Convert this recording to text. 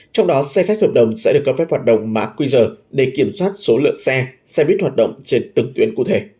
trong đó xe khách hợp đồng sẽ được cấp phép hoạt động mã qr để kiểm soát số lượng xe xe buýt hoạt động trên từng tuyến cụ thể